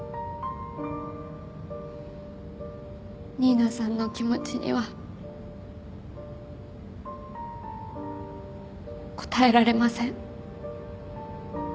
新名さんの気持ちには応えられません。